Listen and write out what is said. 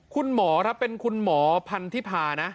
คุณหมอครับเป็นคุณหมอพันธิพานะ